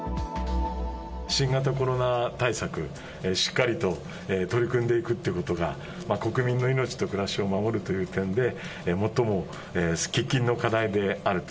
新型コロナ対策、しっかりと取り組んでいくということが、国民の命と暮らしを守るという点で、最も喫緊の課題であると。